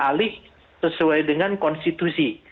alih sesuai dengan konstitusi